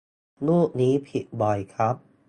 รูปนี้ผิดบ่อยครับ